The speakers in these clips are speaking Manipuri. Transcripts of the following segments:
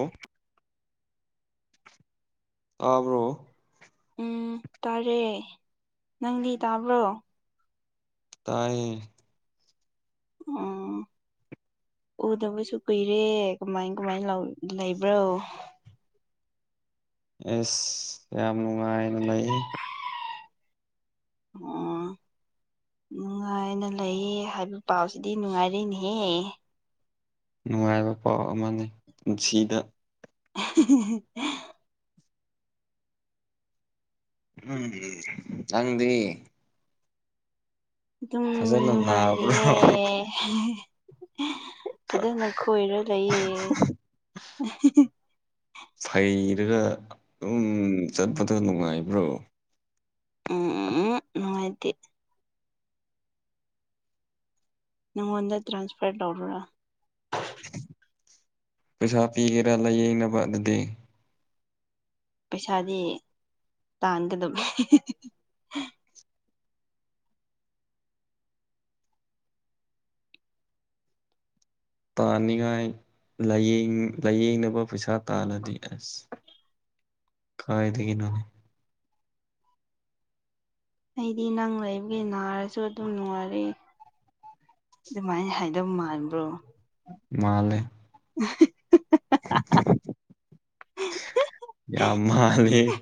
ꯑꯣ ꯑꯥꯕ꯭ꯔꯣ ꯎꯝ ꯇꯥꯔꯦ ꯅꯪ ꯂꯤ ꯇꯥꯕ꯭ꯔꯣ ꯇꯥꯏꯌꯦ ꯎꯝ ꯎꯗꯕꯁꯨ ꯀꯨꯏꯔꯦ ꯀꯃꯥꯏ ꯀꯃꯥꯏꯅ ꯂꯩꯕ꯭ꯔꯣ ꯑꯦꯁ ꯌꯥꯝ ꯅꯨꯡꯉꯥꯏꯅ ꯂꯩꯍꯦ ꯑꯣ ꯅꯨꯡꯉꯥꯏꯅ ꯂꯩꯌꯦ ꯍꯥꯏꯕ ꯄꯥꯎꯁꯤꯗꯤ ꯅꯨꯡꯉꯥꯏꯔꯦꯅꯦꯍꯦ ꯅꯨꯡꯉꯥꯏꯕ ꯄꯥꯎ ꯑꯃꯅꯤ ꯄꯨꯟꯁꯤꯗ [unintelligible] ꯎꯝ ꯆꯪꯗꯤ ꯑꯗꯨꯝ ꯐꯖꯅ ꯅꯥꯕ꯭ꯔꯣ ꯅꯨꯡꯉꯥꯏꯔꯤꯌꯦ ꯐꯖꯅ ꯈꯣꯏꯔ ꯂꯩꯌꯦ ꯐꯩꯔꯒ ꯑꯗꯨꯝ ꯆꯠꯄꯗ ꯅꯨꯡꯉꯥꯏꯕ꯭ꯔꯣ ꯎꯝ ꯎ ꯅꯨꯡꯉꯥꯏꯇꯗꯤ ꯅꯪꯉꯣꯟꯗ ꯇ꯭ꯔꯥꯟꯁꯐꯔ ꯇꯧꯔꯥ ꯄꯩꯁꯥ ꯄꯤꯒꯦꯔꯥ ꯂꯥꯏꯌꯦꯡꯅꯕ ꯑꯗꯨꯗꯤ ꯄꯩꯁꯥꯗꯤ ꯇꯥꯟꯒꯗꯕꯅꯦ ꯇꯥꯅꯤꯡꯉꯥꯏꯥꯏꯌꯦꯡ ꯂꯥꯏꯌꯦꯡꯅꯕ ꯄꯩꯁꯥ ꯇꯥꯜꯂꯗꯤ ꯑꯁ ꯀꯥꯏꯗ ꯀꯩꯅꯅꯦ ꯑꯩꯗꯤ ꯅꯪ ꯂꯩꯕꯒꯤ ꯅꯥꯔꯁꯨ ꯑꯗꯨꯝ ꯅꯨꯡꯉꯥꯏꯔꯛꯑꯦ ꯑꯗꯨꯃꯥꯏꯅ ꯍꯥꯏꯗꯧ ꯃꯥꯟꯕ꯭ꯔꯣ ꯃꯥꯂꯦ ꯎ ꯌꯥꯝ ꯃꯥꯂꯦ [unintelligible]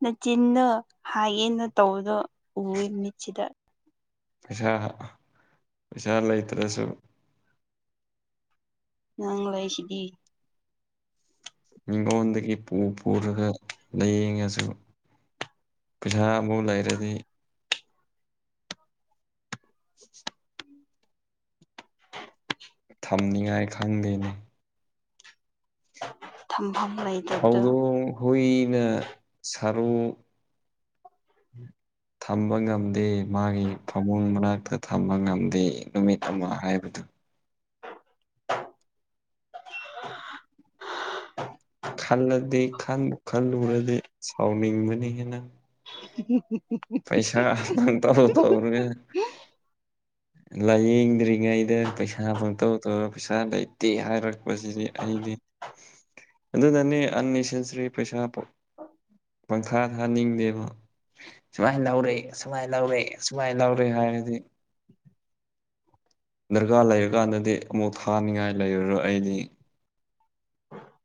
ꯅꯆꯤꯟꯅ ꯍꯥꯏꯒꯦꯅ ꯇꯧꯕꯗꯣ ꯎꯋꯦ ꯃꯤꯠꯁꯤꯗ ꯄꯩꯁꯥ ꯄꯩꯁꯥ ꯂꯩꯇ꯭ꯔꯁꯨ ꯅꯪ ꯂꯩꯁꯤꯗꯤ ꯃꯤꯉꯣꯟꯗꯒꯤ ꯄꯨ ꯄꯨꯔꯒ ꯂꯥꯏꯌꯦꯡꯉꯁꯨ ꯄꯩꯁꯥ ꯑꯃ ꯂꯩꯔꯗꯤ [inaudible] j [inaudible] ꯊꯝꯅꯤꯉꯥꯏ ꯈꯪꯗꯦꯅꯦ ꯊꯝꯐꯝ ꯂꯩ ꯍꯧꯗꯣꯡ ꯍꯨꯏꯅ ꯁꯔꯨ ꯊꯝꯕ ꯉꯝꯗꯦ ꯃꯥꯒꯤ ꯐꯃꯨꯡ ꯃꯅꯥꯛꯇ ꯊꯝꯕ ꯉꯝꯗꯦ ꯅꯨꯃꯤꯠ ꯑꯃ ꯍꯥꯏꯕꯗꯨ ꯈꯜꯂꯗꯤ ꯈꯜꯂꯨꯔꯗꯤ ꯁꯥꯎꯅꯤꯡꯕꯅꯤ ꯍꯦꯟꯅ ꯎ ꯄꯩꯁꯥ ꯅ ꯇ ꯇ ꯂꯥꯏꯌꯦꯡꯗ꯭ꯔꯤꯉꯩꯗ ꯄꯩꯁꯥ ꯐꯪ ꯇꯧꯗ ꯄꯩꯁꯥ ꯇꯦ ꯍꯥꯏꯔꯛꯄꯁꯤꯗꯤ ꯑꯩꯗꯤ ꯑꯗꯨꯅꯅꯦ ꯑꯁꯦꯁꯔꯤ ꯄꯩꯁꯥ ꯄꯪꯊꯥ ꯊꯥꯅꯤꯡꯗꯦꯕ ꯁꯨꯃꯥꯏꯅ ꯂꯧꯔꯦꯏ ꯁꯨꯃꯥꯏꯅ ꯂꯧꯔꯛꯏ ꯁꯨꯃꯥꯏꯅ ꯂꯧꯔꯦ ꯍꯥꯏꯔꯗꯤ ꯗꯔꯀꯥꯔ ꯂꯩꯔꯀꯥꯟꯗꯗꯤ ꯑꯃꯨꯛ ꯊꯥꯅꯤꯡꯉꯥꯏ ꯂꯩꯔꯔꯣ ꯑꯩꯗꯤ ꯑꯣ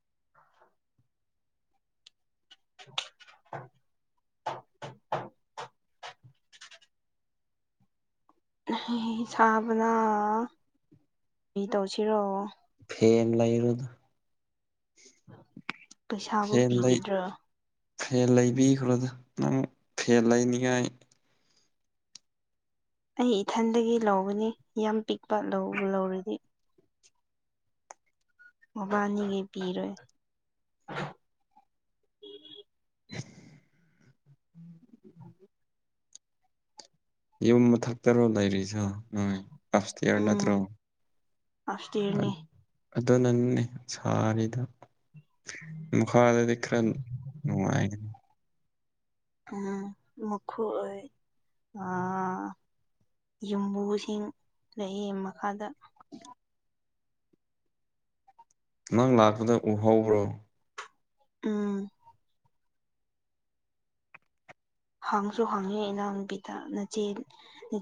ꯁꯥꯕꯅ ꯃꯤ ꯇꯧꯁꯤꯔꯛꯣ ꯐꯦꯟ ꯂ ꯏꯔꯗꯨ ꯄꯩꯁꯥꯕꯨ ꯐꯦꯟ ꯂꯩ ꯄꯤꯒꯗ꯭ꯔꯣ ꯐꯦꯟ ꯂꯩꯕꯤꯈ꯭ꯔꯣꯗ ꯅꯪ ꯐꯦꯟ ꯂꯩꯅꯤꯉꯥꯏ ꯑꯩ ꯏꯊꯟꯗꯒꯤ ꯂꯧꯒꯅꯤ ꯌꯥꯝ ꯄꯤꯛꯄ ꯂꯧ ꯂꯧꯔꯗꯤ ꯃꯕꯥꯅꯤꯒꯩ ꯄꯤꯔꯣꯏ [unintelligible] ꯌꯨꯝ ꯃꯊꯛꯇꯔꯣ ꯂꯩꯔꯤꯁꯨ ꯅꯣꯏ ꯑꯐꯇꯌꯥꯔ ꯎꯝ ꯅꯠꯇ꯭ꯔꯣ ꯑꯞꯁꯇꯤꯌꯔꯅꯤ ꯑꯣ ꯅꯪꯦ ꯁꯥꯔꯤꯗ ꯃꯥꯗꯔ ꯎ ꯃꯈꯣꯏ ꯑꯩ ꯑ ꯌꯨꯝꯕꯨꯁꯤꯡ ꯂꯩꯌꯦ ꯃꯈꯥꯗ ꯅꯪ ꯂꯥꯛꯄꯗ ꯎꯍꯧꯕ꯭ꯔꯣ ꯎꯝ ꯍꯥꯡꯁꯨ ꯍꯥꯡꯉꯦ ꯏꯅꯥꯎ ꯅꯨꯄꯤꯗ ꯅꯆꯦ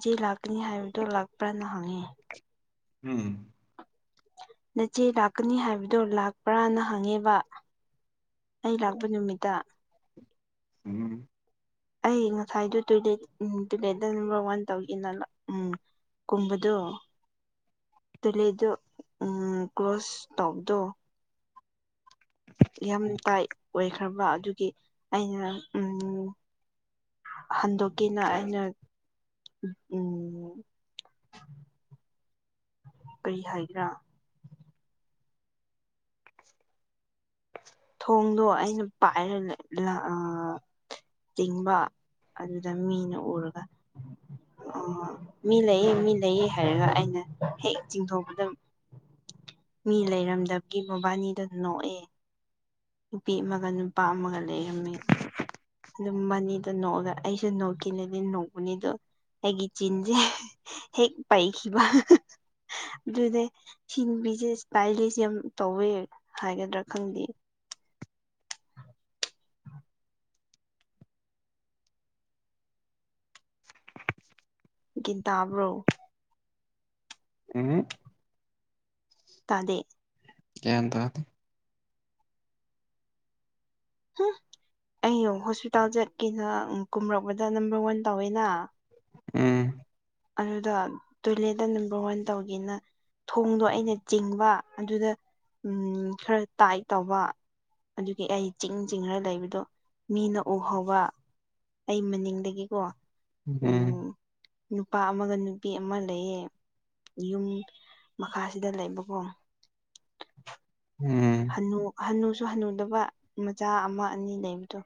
ꯆꯦ ꯂꯥꯛꯅꯤ ꯍꯥꯏꯕꯗꯣ ꯂꯥꯛꯄ꯭ꯔꯥꯅ ꯍꯪꯉꯤ ꯎꯝ ꯅꯆꯦ ꯂꯥꯛꯀꯅꯤ ꯍꯥꯏꯕꯗꯣ ꯂꯥꯛꯄ꯭ꯔꯥꯅ ꯍꯪꯉꯦꯕ ꯑꯩ ꯂꯥꯛꯄ ꯅꯨꯃꯤꯠꯇ ꯎꯝ ꯑꯩ ꯉꯁꯥꯏꯗꯨ ꯇꯣꯏꯂꯦꯠ ꯎꯝ ꯇꯣꯏꯂꯦꯠꯇ ꯅꯝꯕꯔ ꯋꯥꯟ ꯇꯧꯒꯦꯅ ꯎꯝ ꯀꯨꯝꯕꯗꯣ ꯇꯨꯂꯦꯗꯣ ꯎ ꯀ꯭ꯂ꯭ꯔꯣꯁ ꯇꯧꯕꯗꯣ ꯌꯥꯝ ꯇꯥꯏ ꯑꯣꯏꯈ꯭ꯔꯕ ꯑꯗꯨꯒꯤ ꯑꯩꯅ ꯎꯝ ꯍꯟꯗꯣꯛꯀꯤꯦꯅ ꯑꯩꯅ ꯎꯝ ꯀꯔꯤ ꯍꯥꯏꯒ꯭ꯔꯥ ꯊꯣꯡꯗꯣ ꯑꯩꯅ ꯄꯥꯏꯔꯂꯦ ꯂꯥ ꯑꯥ ꯇꯤꯡꯕ ꯑꯗꯨꯗ ꯃꯤꯅ ꯎꯔꯒ ꯑ ꯃꯤ ꯂꯩꯌꯦ ꯃꯤ ꯂꯩꯌꯦ ꯍꯥꯏꯔꯒ ꯑꯩꯅ ꯍꯦꯛ ꯆꯤꯡꯊꯣꯛꯄꯗ ꯃꯤ ꯂꯩꯔꯝꯗꯕꯒꯤ ꯃꯕꯥꯅꯤꯗꯨ ꯅꯣꯛꯑꯦ ꯅꯨꯄꯤ ꯑꯃꯒ ꯅꯨꯄꯥ ꯑꯃꯒ ꯂꯩꯔꯝꯃꯤ ꯑꯗꯨꯝ ꯃꯅꯤꯗ ꯅꯣꯛꯑꯒ ꯑꯩꯁꯨ ꯅꯣꯛꯀꯦꯅꯗꯤ ꯅꯣꯛꯄꯕꯅꯤꯗꯣ ꯑꯩꯒꯤ ꯆꯤꯟꯁꯦ ꯍꯦꯛ ꯄꯥꯏꯈꯤꯕ ꯑꯗꯨꯅꯦ ꯁꯤꯟꯕꯤꯁꯦ ꯏꯁꯄꯥꯏꯂꯤꯁ ꯌꯥꯝ ꯇꯧꯋꯦ ꯍꯥꯏꯒꯗ꯭ꯔꯥ ꯈꯪꯗꯦ ꯀ ꯇ꯭ꯔꯣ ꯑꯦꯅꯦ ꯀꯥꯗꯦ ꯀ ꯇꯗꯤ ꯎꯝ ꯑꯩ ꯍꯣꯁꯄꯤꯇꯥꯜ ꯆꯠꯀꯦꯅ ꯀꯨꯝꯔꯛꯄꯗ ꯅꯝꯕꯔ ꯋꯥꯟ ꯇꯧꯋꯦꯅ ꯎꯝ ꯑꯗꯨꯗ ꯇꯣꯏꯂꯦꯠꯇ ꯅꯝꯕꯔ ꯋꯥꯟ ꯇꯧꯒꯦꯅ ꯊꯣꯡꯗꯣ ꯑꯩꯅ ꯆꯤꯡꯕ ꯑꯗꯨꯗ ꯎꯝ ꯈꯔ ꯇꯥꯏꯠ ꯇꯧꯕ ꯑꯗꯨꯒꯤ ꯑꯩ ꯆꯤꯡ ꯆꯤꯡꯔ ꯂꯩꯕꯗꯣ ꯃꯤꯅ ꯎꯍꯧꯕ ꯑꯩ ꯃꯅꯤꯡꯗꯒꯤꯀꯣ ꯎꯝ ꯅꯨꯄꯥ ꯑꯃꯒ ꯅꯨꯄꯤ ꯑꯃ ꯂꯩꯌꯦ ꯌꯨꯝ ꯃꯈꯥꯁꯤꯗ ꯂꯩꯕꯀꯣ ꯎꯝ ꯍꯟꯅꯨ ꯍꯟꯅꯨꯁꯨ ꯍꯟꯅꯨꯗꯕ ꯃꯆꯥ ꯑꯃ ꯑꯅꯤ ꯂꯩꯕꯗꯣ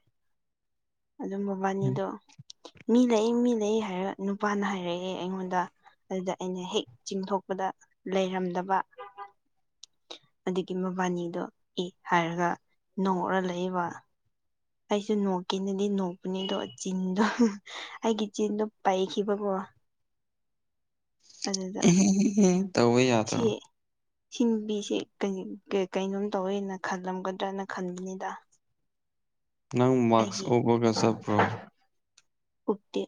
ꯑꯗꯨ ꯎꯝ ꯃꯕꯥꯅꯤꯗꯣ ꯃꯤ ꯂꯩ ꯃꯤ ꯂꯩ ꯍꯥꯏꯔ ꯅꯨꯄꯥꯅ ꯍꯥꯏꯔꯛꯑꯦ ꯑꯩꯉꯣꯟꯗ ꯑꯗꯨꯗ ꯑꯩꯅ ꯍꯦꯛ ꯆꯤꯡꯊꯣꯛꯄꯗ ꯂꯩꯔꯝꯗꯕ ꯑꯗꯨꯗꯒꯤ ꯃꯕꯥꯅꯤꯗꯣ ꯑꯦ ꯍꯥꯏꯔꯒ ꯅꯣꯡꯔ ꯂꯩꯕ ꯑꯩꯁꯨ ꯅꯣꯛꯀꯦꯅꯗꯤ ꯅꯣꯛꯄꯅꯤꯗꯣ ꯆꯤꯟꯗꯣ ꯑꯩꯒꯤ ꯆꯤꯟꯗꯣ ꯄꯩꯈꯤꯕꯀꯣ ꯑꯗꯨꯗ ꯇꯧꯕ ꯁꯦ ꯌꯥꯗ꯭ꯔꯣ ꯁꯤ ꯅꯨꯄꯤꯁꯦ ꯀꯩꯅꯣꯝ ꯇꯧꯋꯦꯅ ꯈꯜꯂꯝꯒꯗ꯭ꯔꯅ ꯈꯟꯕꯅꯤꯗ ꯅꯪ ꯃꯥꯛꯁ ꯑꯩꯒꯤ ꯎꯞꯄꯒ ꯆꯠꯄ꯭ꯔꯣ ꯎꯞꯇꯦ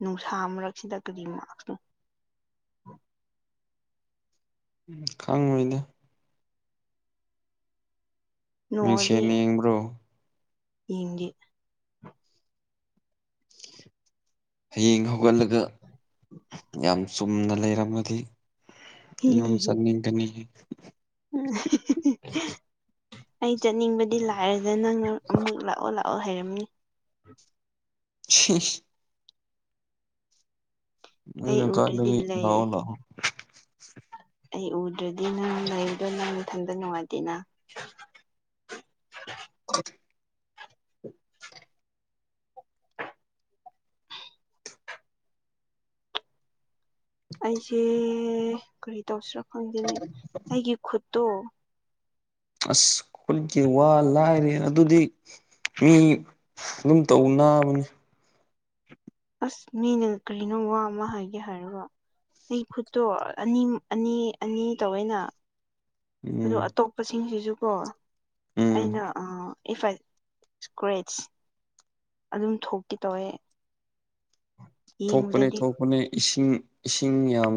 ꯅꯨꯡꯁꯥ ꯃꯔꯛꯁꯤꯗ ꯀꯔꯤ ꯃꯥꯛꯁꯅꯣ ꯎꯝ ꯈꯪꯉꯣꯏꯅꯦ ꯃꯤꯡꯁꯦꯟ ꯌꯦꯡꯕ꯭ꯔꯣ ꯌꯦꯘꯦ ꯍꯌꯦꯡ ꯍꯧꯒꯠꯂꯒ ꯌꯥꯝ ꯆꯨꯝꯅ ꯂꯩꯔꯝꯃꯗꯤ ꯌꯨꯝ ꯆꯠꯅꯤꯡꯒꯅꯤ ꯎꯝ ꯑꯩ ꯆꯠꯅꯤꯡꯕꯗꯤ ꯂꯥꯛ ꯂꯥꯛꯑꯦꯗ ꯅꯪꯅ ꯑꯃꯨꯛ ꯂꯥꯛꯑꯣ ꯂꯥꯛꯑꯣ ꯍꯩꯔꯝꯅꯤ ꯍꯝ ꯅꯣꯏ ꯑꯩ ꯎꯗ꯭ꯔꯗꯤ ꯅꯀꯥꯗꯒꯤ ꯂꯩ ꯂꯥꯛꯑꯣ ꯂꯥꯛꯑꯣ ꯑꯩ ꯎꯗ꯭ꯔꯗꯤ ꯅꯪ ꯂꯩꯗꯣ ꯅꯪ ꯅꯊꯟꯗ ꯅꯨꯡꯉꯥꯏꯇꯦꯅ ꯑ ꯎ ꯑꯩꯁꯦ ꯀꯔꯤ ꯇꯧꯁꯤꯔꯥ ꯈꯪꯘꯦꯅꯦ ꯑꯩꯒꯤ ꯈꯨꯠꯇꯣ ꯑꯁ ꯈꯨꯠꯀꯤ ꯋꯥ ꯂꯥꯏꯔꯤ ꯑꯗꯨꯗꯤ ꯃꯤ ꯑꯗꯨꯝ ꯇꯧꯅꯥꯕꯅꯤ ꯑꯁ ꯃꯤꯅ ꯀ꯭ꯔꯤꯅꯣ ꯋꯥ ꯑꯃ ꯍꯥꯏꯒꯦ ꯍꯥꯏꯔꯒ ꯑꯩ ꯈꯨꯠꯇꯣ ꯑꯅꯤ ꯑꯅꯤ ꯑꯅꯤ ꯇꯧꯋꯦꯅꯥ ꯑꯗꯣ ꯎꯝ ꯑꯇꯣꯞꯄꯁꯤꯡꯁꯤꯁꯨꯀꯣ ꯎꯝ ꯑꯩꯅ ꯑ ꯏ꯭ꯐ ꯐꯥꯏ ꯏꯁꯀ꯭ꯔꯦꯠꯁ ꯑꯗꯨꯝ ꯊꯣꯛꯀꯦ ꯇꯧꯋꯦ ꯊꯣꯛꯄꯅꯦ ꯌꯦꯡꯕꯗꯗꯤ ꯊꯣꯛꯄꯅꯦ ꯏꯁꯤꯡ ꯏꯁꯤꯡ ꯌꯥꯝ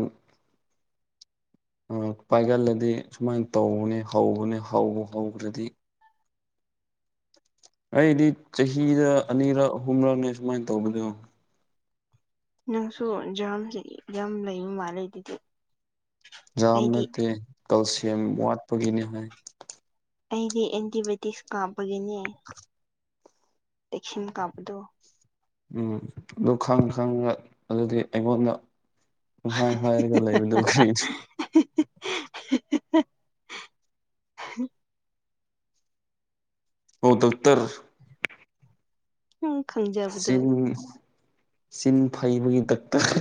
ꯄꯥꯏꯒꯜꯂꯗꯤ ꯁꯨꯃꯥꯏꯅ ꯇꯧꯕꯅꯦ ꯍꯧꯕꯅꯦ ꯍꯧꯕꯨ ꯍꯧꯈ꯭ꯔꯗꯤ ꯑꯩꯗꯤ ꯆꯍꯤꯗ ꯑꯅꯤꯔꯛ ꯑꯍꯨꯝꯂꯛꯅꯦ ꯁꯨꯃꯥꯏꯅ ꯇꯧꯕꯗꯣ ꯅꯪꯁꯨ ꯖꯥꯝꯁ ꯌꯥꯝ ꯂꯩꯕ ꯃꯥꯜꯂꯦ ꯑꯗꯨꯗꯤ ꯌꯥꯝ ꯑꯩꯗꯤ ꯅꯠꯇꯦ ꯀꯜꯁꯤꯌꯝ ꯋꯥꯠꯄꯒꯤꯅꯤ ꯍꯥꯏ ꯑꯩꯗꯤ ꯑꯦꯟꯇꯤꯕꯥꯌꯣꯇꯤꯛꯁ ꯀꯥꯞꯄꯒꯤꯅꯦ ꯕꯦꯛꯁꯤꯟ ꯀꯥꯞꯄꯗꯨꯔꯣ ꯎꯝ ꯑꯗꯨ ꯈꯪ ꯈꯪꯉꯦ ꯑꯗꯨꯗꯤ ꯑꯩꯉꯣꯟ ꯄꯪꯍꯥꯏ ꯍꯥꯏꯔꯒ ꯂꯩꯕꯗꯨꯕꯨ ꯍꯤꯍꯤꯍꯤ ꯑꯣ ꯗꯣꯛꯇꯔ ꯎꯝ ꯈꯪꯖꯦ ꯆꯤꯟ ꯆꯤꯟ ꯐꯩꯕꯒꯤ ꯗꯛꯇꯔ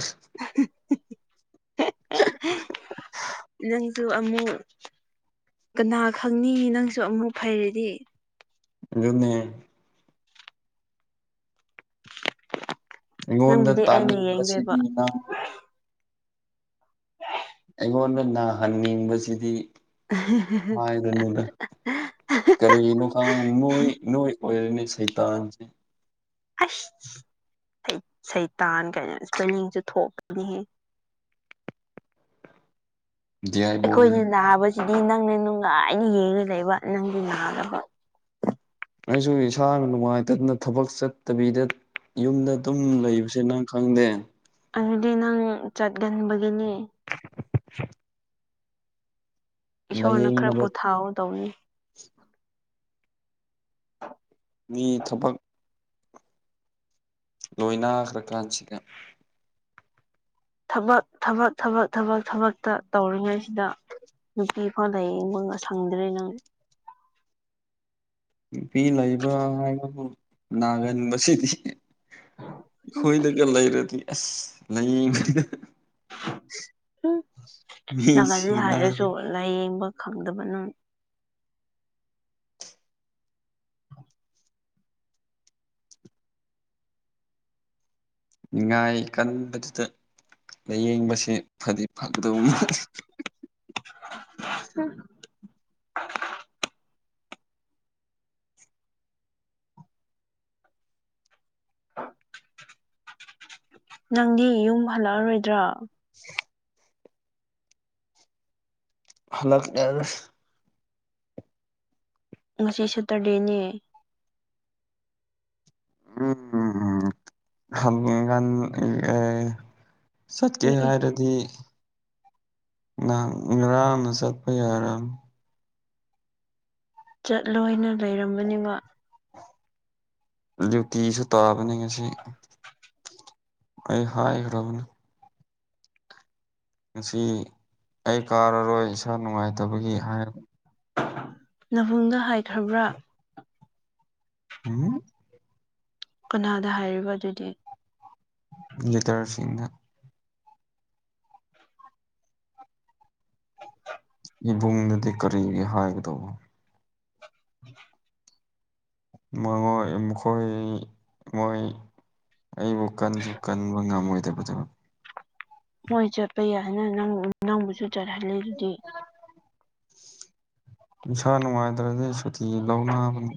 ꯅꯪꯖꯨ ꯑꯃꯨꯛ ꯀꯅꯥ ꯈꯪꯅꯤ ꯅꯪꯁꯨ ꯑꯃꯨꯛ ꯐꯩꯔꯗꯤ ꯑꯗꯨꯅꯦ ꯑꯩꯉꯣꯟꯗ ꯅꯪꯕꯨꯗꯤ ꯑꯩꯅ ꯌꯦꯡꯗꯣꯏꯕ ꯇꯥꯅꯤꯡꯕꯁꯤꯗꯤ [unintelligible] ꯑꯩꯉꯣꯟꯗ ꯅꯥꯍꯟꯅꯤꯡꯕꯁꯤꯗꯤ ꯍꯥꯏꯗꯨꯅꯤꯗ ꯀꯔꯤꯒꯤꯅꯣ ꯈꯪꯉꯦ ꯅꯣꯏ ꯅꯣꯏ ꯑꯣꯏꯔꯅꯤ ꯁꯩꯇꯥꯟ ꯑꯁ ꯁꯩꯇꯥꯟ ꯀꯥꯏꯅ ꯁꯄꯦꯂꯤꯡꯁꯨ ꯊꯣꯛꯀꯅꯤ ꯗꯤꯌꯥꯏꯕꯣꯟ ꯑꯩꯈꯣꯏꯅ ꯍꯥꯏ ꯅꯥꯕꯁꯤꯗꯤ ꯅꯪꯅ ꯅꯨꯡꯉꯥꯏꯅ ꯌꯦꯡꯉ ꯂꯩꯕ ꯅꯪꯗꯤ ꯅꯥꯗꯕ ꯑꯩꯁꯨ ꯏꯁꯥꯅ ꯅꯨꯡꯉꯥꯏꯇꯗꯅ ꯊꯕꯛ ꯆꯠꯇꯕꯤꯗ ꯌꯨꯝꯗ ꯑꯗꯨꯝ ꯂꯩꯕꯁꯦ ꯅꯪ ꯈꯪꯗꯦ ꯑꯗꯨꯗꯤ ꯅꯪ ꯆꯠꯒꯟꯕꯒꯤꯅꯦ [unintelligible] ꯏꯁꯣꯔꯅ ꯈꯔ ꯂꯥꯏꯌꯦꯡꯅꯕ ꯄꯣꯊꯥꯎ ꯇꯧꯕꯅꯤ ꯃꯤ ꯊꯕꯛ ꯂꯣꯏꯅꯈ꯭ꯔ ꯀꯥꯟꯁꯤꯗ ꯊꯕꯛ ꯊꯕꯛ ꯊꯕꯛ ꯊꯕꯛ ꯊꯕꯛꯇ ꯇꯧꯔꯤꯉꯩꯁꯤꯗ ꯅꯨꯄꯤꯐꯥꯎ ꯂꯩꯩ ꯌꯦꯡꯕ ꯁꯪꯗ꯭ꯔꯦꯅꯦ ꯅꯨꯄꯤ ꯂꯩꯕ ꯍꯥꯏꯕꯕꯨ ꯅꯥꯒꯟꯕꯁꯤꯗꯤ ꯑꯩꯈꯣꯏ ꯑꯗꯨꯒ ꯂꯩꯔꯗꯤ ꯑꯁ ꯂꯩ ꯅꯥꯒꯜꯂꯤ ꯃꯤꯁꯤꯅꯅꯤ ꯍꯥꯏꯔꯁꯨ ꯂꯥꯏꯌꯦꯡꯕ ꯈꯪꯗꯕ ꯅꯪ ꯅꯤꯉꯥꯏ ꯀꯟꯕꯗꯨꯗ ꯂꯥꯏꯌꯦꯡꯕꯁꯦ ꯐꯗꯤ ꯐꯒꯗꯧ ꯃꯥꯜꯂꯦ [unintelligible] [unintelligible] ꯅꯪꯗꯤ ꯌꯨꯝ ꯍꯜꯂꯛꯑꯔꯣꯏꯗ꯭ꯔꯣ [unintelligible] [unintelligible] ꯉꯁꯤ ꯁꯦꯇꯔꯗꯦꯅꯦ [unintelligible] ꯆꯠꯀꯦ ꯑꯦ ꯑꯦ ꯍꯥꯏꯔꯗꯤ ꯉꯔꯥꯡꯅ ꯆꯠꯄ ꯌꯥꯔꯕꯅꯦ ꯆꯠꯂꯣꯏꯅ ꯂꯩꯔꯝꯕꯅꯤꯕ ꯗꯨꯌꯨꯇꯤꯁꯨ ꯇꯥꯕꯅꯤ ꯉꯁꯤ ꯑꯩ ꯍꯥꯏꯈ꯭ꯔꯕꯅꯤ ꯉꯁꯤ ꯑꯩ ꯀꯥꯔꯔꯣꯏ ꯏꯁꯥ ꯅꯨꯡꯉꯥꯏꯇꯕꯒꯤ ꯍꯥꯏ ꯅꯕꯨꯡꯅ ꯍꯥꯏꯈ꯭ꯔꯕ꯭ꯔꯥ ꯎꯝ ꯀꯅꯥꯗ ꯍꯥꯏꯔꯤꯕ ꯑꯗꯨꯗꯤ ꯇꯔꯁꯤꯡꯅ [inaudible] ꯏꯕꯨꯡꯗꯗꯤ ꯀꯔꯤꯒꯤ ꯍꯥꯏꯒꯗꯧꯕ [inaudible] ꯃꯣꯏꯉꯣꯏ ꯃꯈꯣꯏ ꯃꯣꯏ ꯑꯩꯕꯨ ꯀꯟꯁꯨ ꯀꯟꯕ ꯉꯝꯃꯣꯏꯗꯕꯗꯨ ꯃꯣꯏ ꯆꯠꯄ ꯌꯥꯏꯅ ꯅꯪꯕꯨꯁꯨ ꯆꯠꯍꯜꯂꯤꯗꯨꯗꯤ ꯏꯁꯥ ꯅꯨꯡꯉꯥꯏꯇ꯭ꯔꯗꯤ ꯁꯨꯇꯤ ꯂꯧꯅꯕꯅꯤ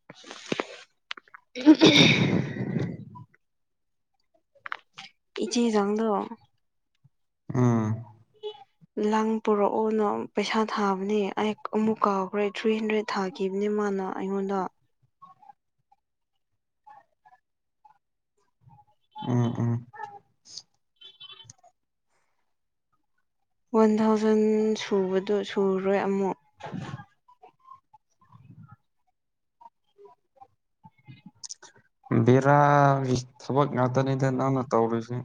[unintelligible] ꯏꯆꯦ ꯖꯪꯗꯣ ꯑꯎ ꯂꯥꯡ ꯄꯨꯔꯛꯑꯣꯅ ꯄꯩꯁꯥ ꯊꯥꯕꯅꯦ ꯑꯩ ꯑꯃꯨꯛ ꯀꯥꯎꯈ꯭ꯔꯦ ꯊ꯭ꯔꯤ ꯍꯟꯗ꯭ꯔꯦꯗ ꯊꯥꯒꯦ ꯈꯤꯕꯅꯦ ꯃꯥꯅ ꯑꯩꯉꯣꯟꯗ ꯎꯝ ꯎꯝ ꯋꯥꯟ ꯊꯥꯎꯖꯟ ꯁꯨꯕꯗꯨꯣ ꯁꯨꯔꯣꯏ ꯑꯃꯨꯛ ꯕꯦꯔꯥꯒꯤ ꯊꯕꯛ ꯉꯇꯅꯤꯗ ꯅꯪꯅ ꯇꯧꯔꯤꯨꯁꯦ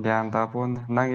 ꯟ ꯇꯥꯄꯣꯟ ꯅꯪ